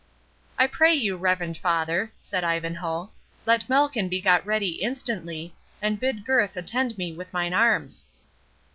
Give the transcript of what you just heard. "I pray you, reverend father," said Ivanhoe, "let Malkin be got ready instantly, and bid Gurth attend me with mine arms."